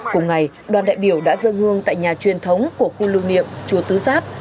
cùng ngày đoàn đại biểu đã dân hương tại nhà truyền thống của khu lưu niệm chùa tứ giáp